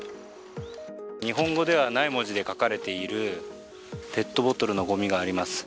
日本語ではない文字で書かれているペットボトルのごみがあります。